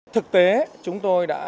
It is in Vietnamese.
thực tế chúng tôi đã